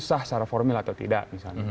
sah secara formal atau tidak